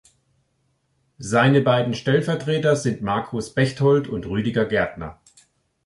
Seine beiden Stellvertreter sind Markus Bechtold und Rüdiger Gärtner.